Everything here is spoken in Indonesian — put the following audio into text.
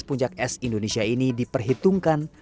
puncak es indonesia ini diperhitungkan